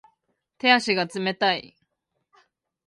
手足が冷たい